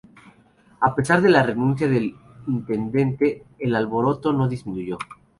A pesar de la renuncia del intendente, el alboroto no disminuyó.